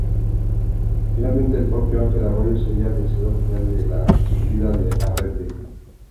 Finalmente el propio Ángel Arroyo sería el vencedor final de la Subida a Arrate.